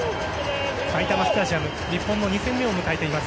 埼玉スタジアムで日本の２戦目を迎えています。